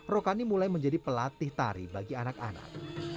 rokani mulai menjadi pelatih tari bagi anak anak